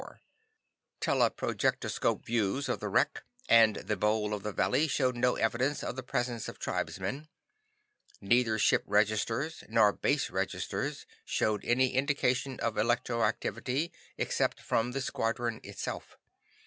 Teleprojectoscope views of the wreck and the bowl of the valley showed no evidence of the presence of tribesmen. Neither ship registers nor base registers showed any indication of electroactivity except from the squadron itself.